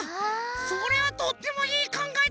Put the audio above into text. それはとってもいいかんがえだね！